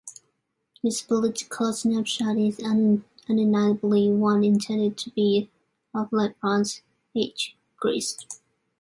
This political snapshot is undeniably one intended to be of Late Bronze Age Greece.